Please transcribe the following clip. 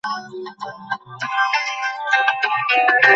দুর্বল শরীরের উপর কঠোরতা সহ্য হয় না।